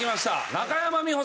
中山美穂さん。